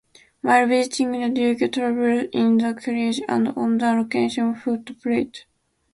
While visiting, the Duke travelled in the carriage and on the locomotive footplate.